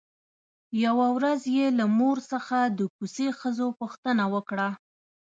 يوه ورځ يې له مور څخه د کوڅې ښځو پوښتنه وکړه.